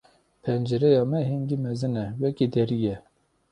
Pencereya me hingî mezin e wekî derî ye.